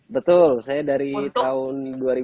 betul saya dari tahun